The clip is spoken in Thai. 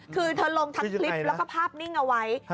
คือเธอลงทั้งคลิปแล้วก็ภาพนิ่งเอาไว้